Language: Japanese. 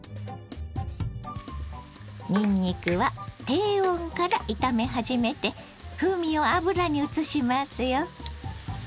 にんにくは低温から炒め始めて風味を油にうつしますよ。